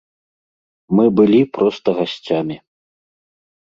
Мы былі проста гасцямі.